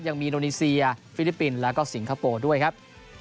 อินโดนีเซียฟิลิปปินส์แล้วก็สิงคโปร์ด้วยครับ